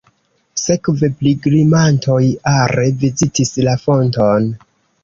Sekve pilgrimantoj are vizitis la fonton.